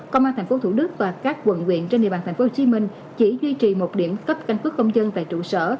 công an tp hcm và các quận viện trên địa bàn tp hcm chỉ duy trì một điểm cấp căn cứ công dân tại trụ sở